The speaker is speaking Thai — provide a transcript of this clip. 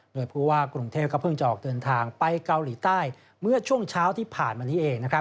โดยผู้ว่ากรุงเทพก็เพิ่งจะออกเดินทางไปเกาหลีใต้เมื่อช่วงเช้าที่ผ่านมานี้เอง